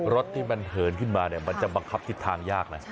รถที่มันเหินขึ้นมาเนี่ยมันจะบังคับทิศทางยากนะ